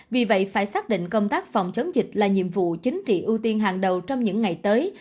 vì vậy phải xác định công tác phòng chống dịch là nhiệm vụ chính trị ưu tiên hàng đầu trong những ngày tới